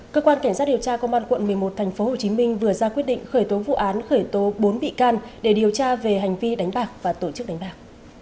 cơ quan cảnh sát điều tra công an quận một mươi một tp hcm vừa ra quyết định khởi tố vụ án khởi tố bốn bị can để điều tra về hành vi đánh bạc và tổ chức đánh bạc